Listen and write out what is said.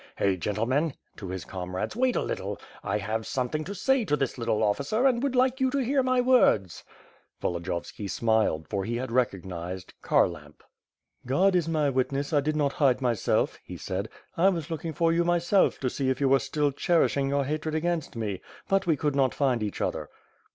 Hey, gentlemen," to his comrades, "wait a little; I have some thing to say to this little officer and would like you to hear my words." Volodiyovski smiled, for he had recognized Kharlamp. "God is my witness, I did not hide myself," he said, "I was looking for you, myself, to see if you were still cherishing your hatred against me, but we could not find each other."